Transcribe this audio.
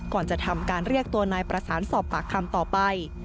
ก่อนจะทำการเรียกตัวนายประสานสอบปากคำต่อไป